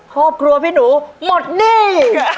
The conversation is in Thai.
ครอบครัวพี่หนูหมดหนี้